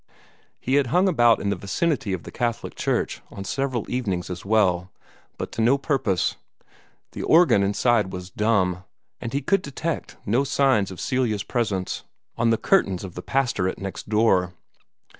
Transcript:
He had hung about in the vicinity of the Catholic church on several evenings as well, but to no purpose. The organ inside was dumb, and he could detect no signs of Celia's presence on the curtains of the pastorate next door.